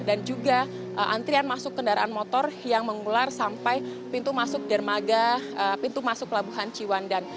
dan juga antrian masuk kendaraan motor yang mengular sampai pintu masuk dermaga pintu masuk pelabuhan ciwandan